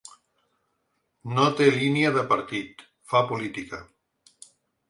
No té línia de partit, fa política.